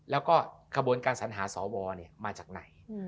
และกระบวนการสัญหาศวนี้มาจากไหน